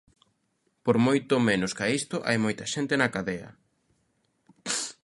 Por moito menos ca isto hai moita xente na cadea.